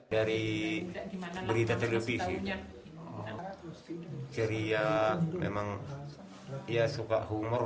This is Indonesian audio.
dari berita televisi ceria memang ya suka humor